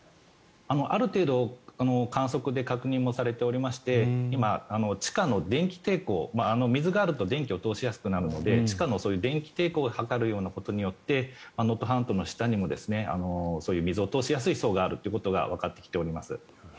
ある程度、観測で確認もされておりまして今、地下の電気抵抗水があると電気を通しやすくなるので地下の電気抵抗を測ることによって能登半島の下にも、そういう水を通しやすい層があることがわかってきております。